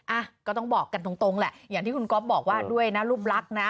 อ่ะก็ต้องบอกกันตรงแหละอย่างที่คุณก๊อฟบอกว่าด้วยนะรูปลักษณ์นะ